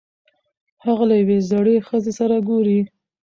هغه له یوې زړې ښځې سره ګوري.